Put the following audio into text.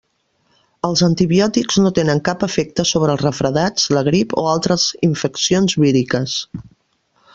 Els antibiòtics no tenen cap efecte sobre els refredats, la grip o altres infeccions víriques.